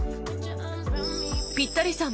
ピッタリさん